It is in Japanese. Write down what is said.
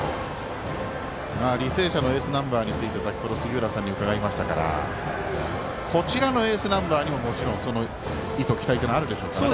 履正社のエースナンバーについて先ほど杉浦さんに伺いましたからこちらのエースナンバーにももちろんその意図、期待というのがありますからね。